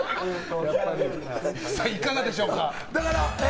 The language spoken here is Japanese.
さあ、いかがでしょうか？